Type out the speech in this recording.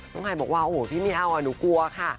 น้องไห้บอกว่าโอ้โหพี่มีเอาอ่ะหนูกลัวค่ะ